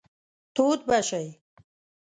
تود به شئ.